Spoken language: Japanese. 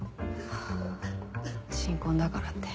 新婚だからって。